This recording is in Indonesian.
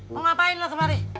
mau ngapain lu kemari